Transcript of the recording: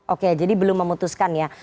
oke jadi belum memutuskan ya